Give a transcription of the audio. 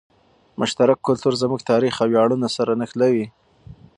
مشترک کلتور زموږ تاریخ او ویاړونه سره نښلوي.